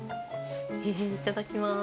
いただきます。